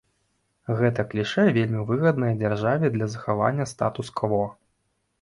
Гэта клішэ вельмі выгаднае дзяржаве для захавання статус-кво.